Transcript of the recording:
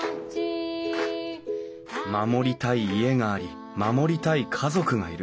守りたい家があり守りたい家族がいる。